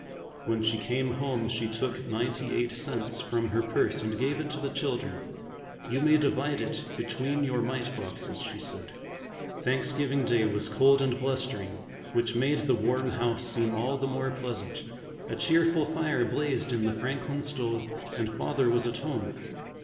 When she came home she took ninety eight cents from her purse and gave it to the children. "You may divide it between your mite boxes," she said. Thanksgiving Day was cold and blustering, which made the warm house seem all the more pleasant. A cheerful fire blazed in the Franklin stove and Father was at home.